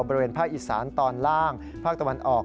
บริเวณภาคอีสานตอนล่างภาคตะวันออก